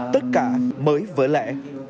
tất cả mới vỡ lẻ